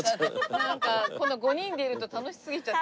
なんかこの５人でいると楽しすぎちゃって。